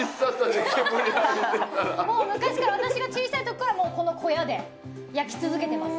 もう昔から私が小さい時からこの小屋で焼き続けてます。